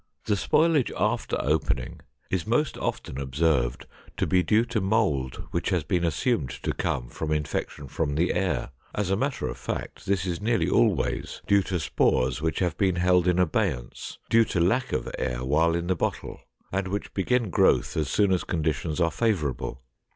The spoilage after opening is most often observed to be due to mold which has been assumed to come from infection from the air. As a matter of fact, this is nearly always due to spores which have been held in abeyance, due to lack of air while in the bottle, and which begin growth as soon as conditions are favorable.